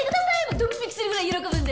ドン引きするぐらい喜ぶんで。